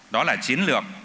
đó là chiến lược